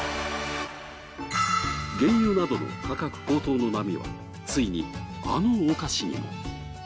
原油などの価格高騰の波はついに、あのお菓子にも。